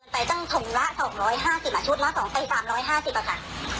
ราคาสองร้อยห้าสิบอ่ะชุดล้อสองเตะสามร้อยห้าสิบอ่ะค่ะ